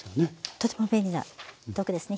とても便利な道具ですね。